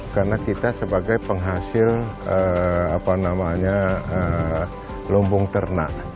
karena kita sebagai penghasil lumbung ternak